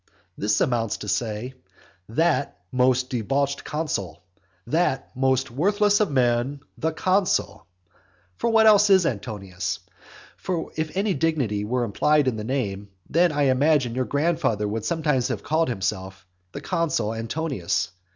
This amounts to say "that most debauched consul," "that most worthless of men, the consul." For what else is Antonius? For if any dignity were implied in the name, then, I imagine, your grandfather would sometimes have called himself "the consul Antonius."